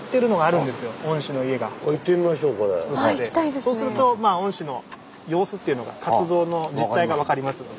そうすると御師の様子というのが活動の実態が分かりますので。